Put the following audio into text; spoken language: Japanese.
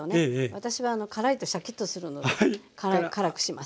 私は辛いとシャキッとするので辛くします。